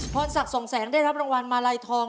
พรศักดิ์ส่งแสงได้รับรางวัลมาลัยทอง